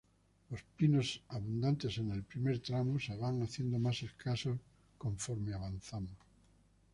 Los pinos, abundantes en el primer tramo, se van haciendo más escasos conforme avanzamos.